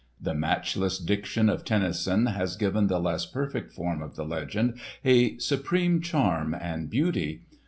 The matchless diction of Tennyson has given the less perfect form of the legend a supreme charm and beauty.